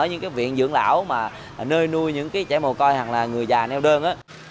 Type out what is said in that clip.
những viện dưỡng lão mà nơi nuôi những trẻ mồ coi hẳn là người già neo đơn